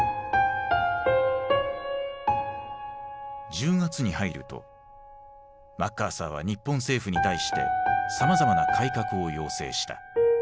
１０月に入るとマッカーサーは日本政府に対してさまざまな改革を要請した。